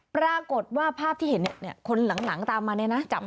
ปรากฏว่าภาพที่เห็นคนหลังตามมาเนี่ยนะจับ